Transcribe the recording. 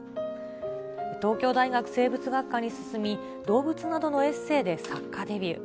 東京大学生物学科に進み、動物などのエッセイで作家デビュー。